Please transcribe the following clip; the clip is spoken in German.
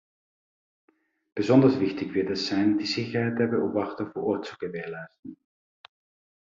Besonders wichtig wird es sein, die Sicherheit der Beobachter vor Ort zu gewährleisten.